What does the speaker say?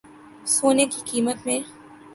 سونے کی قیمت میں